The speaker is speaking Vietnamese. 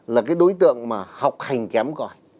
là cái đối tượng mà học hành kém gọi